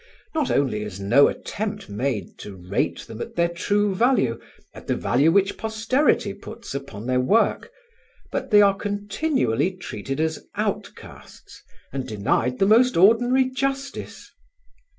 Not only is no attempt made to rate them at their true value, at the value which posterity puts upon their work; but they are continually treated as outcasts and denied the most ordinary justice.